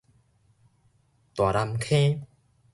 大湳坑